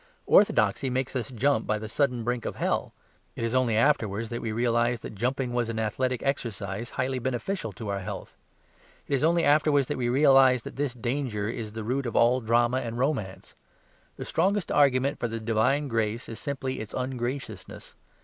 Orthodoxy makes us jump by the sudden brink of hell; it is only afterwards that we realise that jumping was an athletic exercise highly beneficial to our health. It is only afterwards that we realise that this danger is the root of all drama and romance. The strongest argument for the divine grace is simply its ungraciousness.